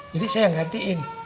jadi saya yang gantiin